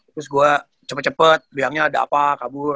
terus gue cepet cepet bilangnya ada apa kabur